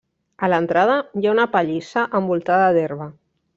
A l'entrada hi ha una pallissa envoltada d'herba.